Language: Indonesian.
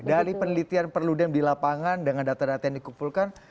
dari penelitian perludem di lapangan dengan data data yang dikumpulkan